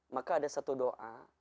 maka ada satu doa